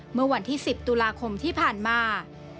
เมื่อวันที่๑๐ตุลาคมที่ผ่านมา